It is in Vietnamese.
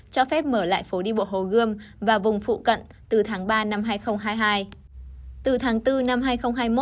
cho phép mở lại phố đi bộ hồ gươm và vùng phụ cận từ tháng ba năm hai nghìn hai mươi hai